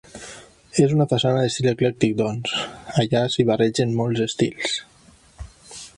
És una façana d'estil eclèctic doncs, allà s'hi barregen molts estils.